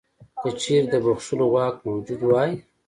که چیرې د بخښلو واک موجود وای.